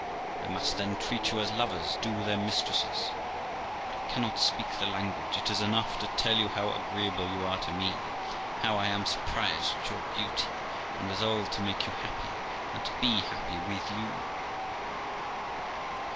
I must, then, treat you as lovers do their mistresses, but I cannot speak the language; it is enough to tell you how agreeable you are to me, how I am surprised at your beauty, and resolve to make you happy, and to be happy with you.'